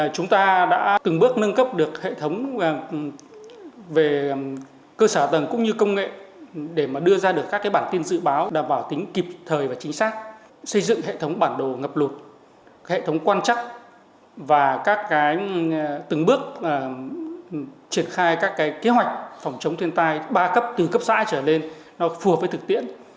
chúng ta đã từng bước nâng cấp được hệ thống về cơ sở tầng cũng như công nghệ để mà đưa ra được các bản tin dự báo đảm bảo tính kịp thời và chính xác xây dựng hệ thống bản đồ ngập lột hệ thống quan chắc và các cái từng bước triển khai các kế hoạch phòng chống thiên tai ba cấp bốn cấp xã trở lên nó phù hợp với thực tiễn